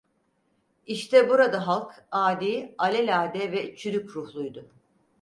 İşte burada halk adi, alelade ve çürük ruhluydu.